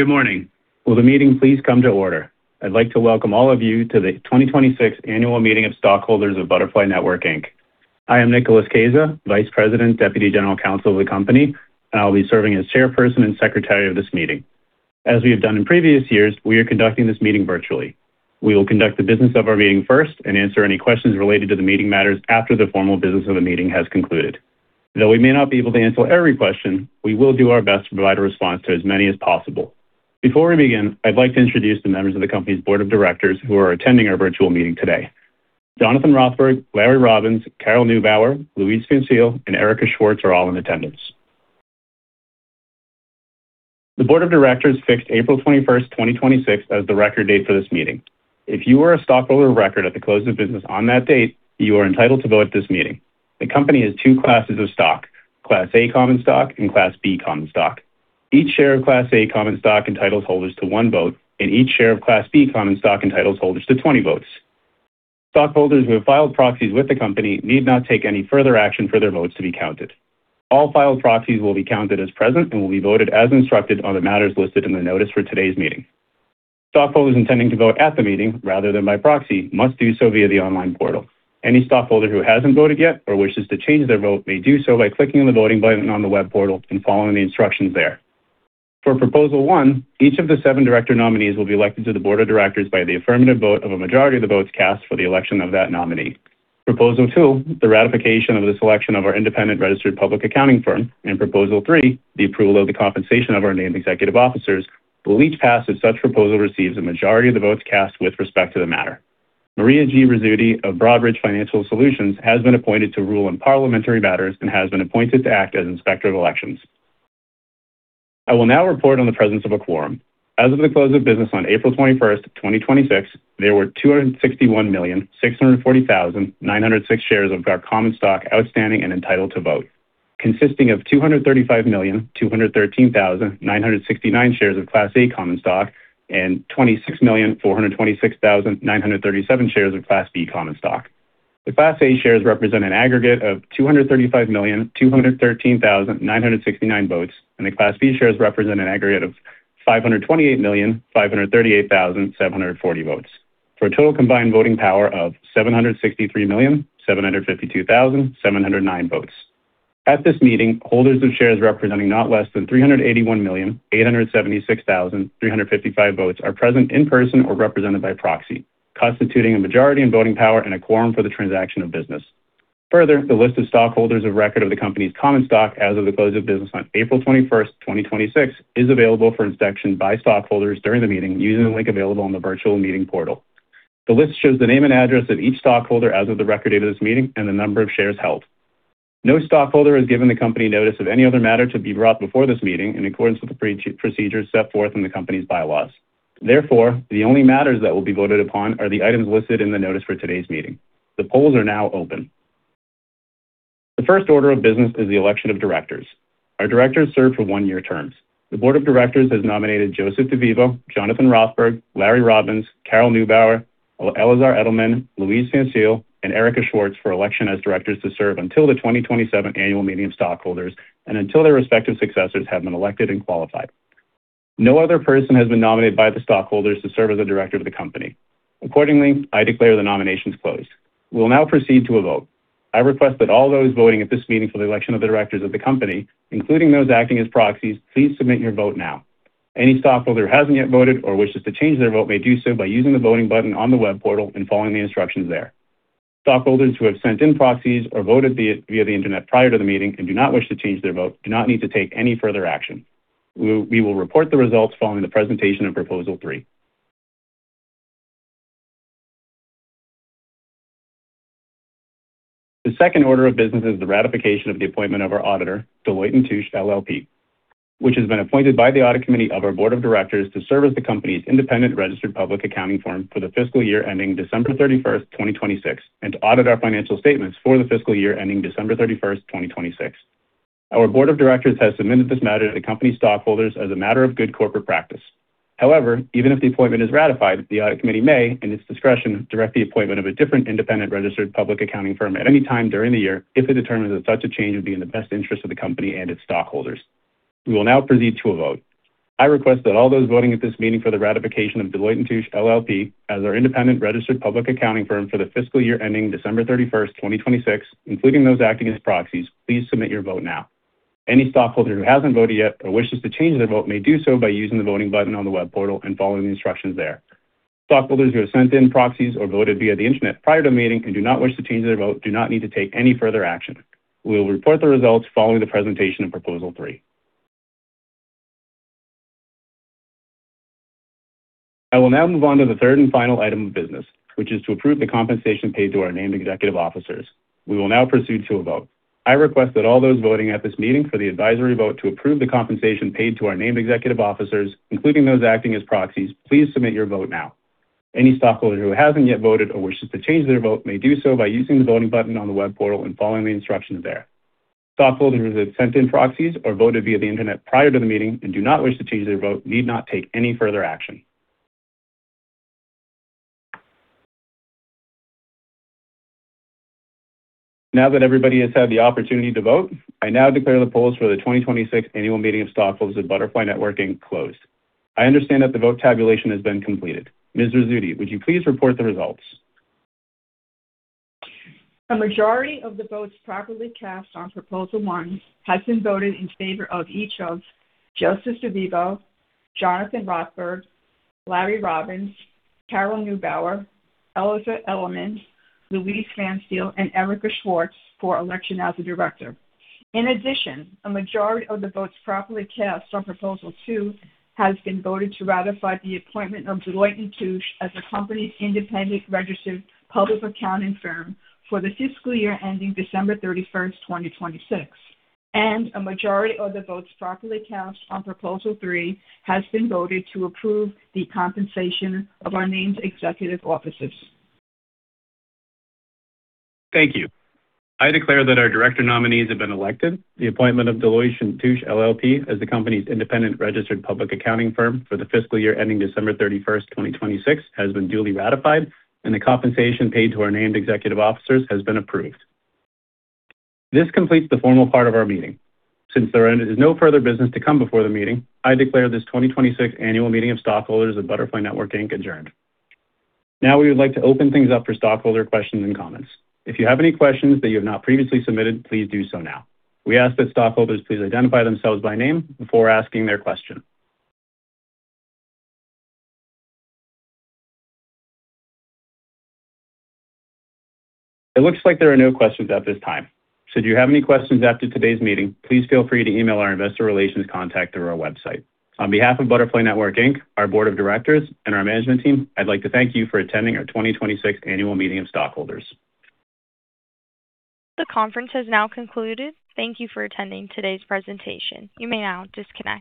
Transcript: Good morning. Will the meeting please come to order? I'd like to welcome all of you to the 2026 Annual Meeting of Stockholders of Butterfly Network, Inc. I am Nicholas Caezza, Vice President, Deputy General Counsel of the company, and I'll be serving as chairperson and secretary of this meeting. As we have done in previous years, we are conducting this meeting virtually. We will conduct the business of our meeting first and answer any questions related to the meeting matters after the formal business of the meeting has concluded. Though we may not be able to answer every question, we will do our best to provide a response to as many as possible. Before we begin, I'd like to introduce the members of the company's board of directors who are attending our virtual meeting today. Jonathan Rothberg, Larry Robbins, Caroll Neubauer, Louise Phanstiel, and Erica Schwartz are all in attendance. The board of directors fixed April 21st, 2026 as the record date for this meeting. If you are a stockholder of record at the close of business on that date, you are entitled to vote at this meeting. The company has two classes of stock, Class A common stock and Class B common stock. Each share of Class A common stock entitles holders to one vote, and each share of Class B common stock entitles holders to 20 votes. Stockholders who have filed proxies with the company need not take any further action for their votes to be counted. All filed proxies will be counted as present and will be voted as instructed on the matters listed in the notice for today's meeting. Stockholders intending to vote at the meeting rather than by proxy must do so via the online portal. Any stockholder who hasn't voted yet or wishes to change their vote may do so by clicking the voting button on the web portal and following the instructions there. For Proposal 1, each of the seven director nominees will be elected to the board of directors by the affirmative vote of a majority of the votes cast for the election of that nominee. Proposal 2, the ratification of the selection of our independent registered public accounting firm, and Proposal 3, the approval of the compensation of our named executive officers, will each pass if such proposal receives a majority of the votes cast with respect to the matter. Maria G. Rizzuti of Broadridge Financial Solutions has been appointed to rule on parliamentary matters and has been appointed to act as Inspector of Elections. I will now report on the presence of a quorum. As of the close of business on April 21st, 2026, there were 261,640,906 shares of our common stock outstanding and entitled to vote, consisting of 235,213,969 shares of Class A common stock and 26,426,937 shares of Class B common stock. The Class A shares represent an aggregate of 235,213,969 votes, and the Class B shares represent an aggregate of 528,538,740 votes, for a total combined voting power of 763,752,709 votes. At this meeting, holders of shares representing not less than 381,876,355 votes are present in person or represented by proxy, constituting a majority in voting power and a quorum for the transaction of business. Further, the list of stockholders of record of the company's common stock as of the close of business on April 21st, 2026, is available for inspection by stockholders during the meeting using the link available on the virtual meeting portal. The list shows the name and address of each stockholder as of the record date of this meeting and the number of shares held. No stockholder has given the company notice of any other matter to be brought before this meeting in accordance with the procedures set forth in the company's bylaws. Therefore, the only matters that will be voted upon are the items listed in the notice for today's meeting. The polls are now open. The first order of business is the election of directors. Our directors serve for one-year terms. The board of directors has nominated Joseph DeVivo, Jonathan Rothberg, Larry Robbins, Caroll Neubauer, Elazer Edelman, Louise Phanstiel, and Erica Schwartz for election as directors to serve until the 2027 Annual Meeting of Stockholders and until their respective successors have been elected and qualified. No other person has been nominated by the stockholders to serve as a director of the company. Accordingly, I declare the nominations closed. We'll now proceed to a vote. I request that all those voting at this meeting for the election of the directors of the company, including those acting as proxies, please submit your vote now. Any stockholder who hasn't yet voted or wishes to change their vote may do so by using the voting button on the web portal and following the instructions there. Stockholders who have sent in proxies or voted via the internet prior to the meeting and do not wish to change their vote do not need to take any further action. We will report the results following the presentation of Proposal 3. The second order of business is the ratification of the appointment of our auditor, Deloitte & Touche LLP, which has been appointed by the audit committee of our board of directors to serve as the company's independent registered public accounting firm for the fiscal year ending December 31st, 2026, and to audit our financial statements for the fiscal year ending December 31st, 2026. Our board of directors has submitted this matter to the company stockholders as a matter of good corporate practice. However, even if the appointment is ratified, the audit committee may, in its discretion, direct the appointment of a different independent registered public accounting firm at any time during the year if it determines that such a change would be in the best interest of the company and its stockholders. We will now proceed to a vote. I request that all those voting at this meeting for the ratification of Deloitte & Touche LLP, as our independent registered public accounting firm for the fiscal year ending December 31st, 2026, including those acting as proxies, please submit your vote now. Any stockholder who hasn't voted yet or wishes to change their vote may do so by using the voting button on the web portal and following the instructions there. Stockholders who have sent in proxies or voted via the internet prior to the meeting and do not wish to change their vote do not need to take any further action. We will report the results following the presentation of Proposal 3. I will now move on to the third and final item of business, which is to approve the compensation paid to our named executive officers. We will now proceed to a vote. I request that all those voting at this meeting for the advisory vote to approve the compensation paid to our named executive officers, including those acting as proxies, please submit your vote now. Any stockholder who hasn't yet voted or wishes to change their vote may do so by using the voting button on the web portal and following the instructions there. Stockholders who have sent in proxies or voted via the internet prior to the meeting and do not wish to change their vote need not take any further action. Now that everybody has had the opportunity to vote, I now declare the polls for the 2026 Annual Meeting of Stockholders of Butterfly Network, Inc. closed. I understand that the vote tabulation has been completed. Ms. Rizzuti, would you please report the results? A majority of the votes properly cast on Proposal 1 has been voted in favor of each of Joseph DeVivo, Jonathan Rothberg, Larry Robbins, Caroll Neubauer, Elazer Edelman, Louise Phanstiel, and Erica Schwartz for election as a director. In addition, a majority of the votes properly cast on Proposal 2 has been voted to ratify the appointment of Deloitte & Touche as the company's independent registered public accounting firm for the fiscal year ending December 31st, 2026. A majority of the votes properly cast on Proposal 3 has been voted to approve the compensation of our named executive officers. Thank you. I declare that our director nominees have been elected, the appointment of Deloitte & Touche LLP as the company's independent registered public accounting firm for the fiscal year ending December 31st, 2026 has been duly ratified, and the compensation paid to our named executive officers has been approved. This completes the formal part of our meeting. Since there is no further business to come before the meeting, I declare this 2026 Annual Meeting of Stockholders of Butterfly Network, Inc. adjourned. We would like to open things up for stockholder questions and comments. If you have any questions that you have not previously submitted, please do so now. We ask that stockholders please identify themselves by name before asking their question. It looks like there are no questions at this time. Should you have any questions after today's meeting, please feel free to email our investor relations contact through our website. On behalf of Butterfly Network, Inc., our board of directors, and our management team, I'd like to thank you for attending our 2026 Annual Meeting of Stockholders. The conference has now concluded. Thank you for attending today's presentation. You may now disconnect.